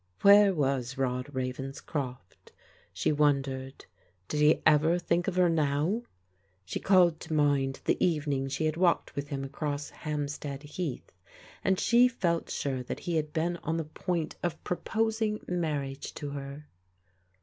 Where was Rod Ravenscroft? she wondered. Did he ever think of her now ? She called to mind the evening she had walked with him across Hampstead Heath, and she felt sure that he had been on the point of proposing marriage to her.